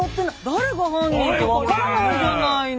誰が犯人か分からないじゃないの。